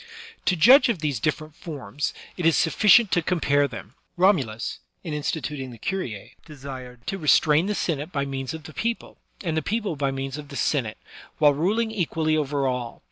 To judge of these different forms, it is suflScient to compare them. Romulus, in instituting the curice^ desired to restrain the Senate by means of the people, and the people by means of the Senate, while ruling equally over all.